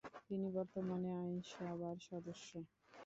তিনি বর্তমানে আইনসভার সদস্য।